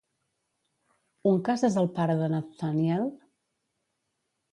Uncas és el pare de Nathaniel?